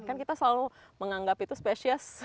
kan kita selalu menganggap itu spesies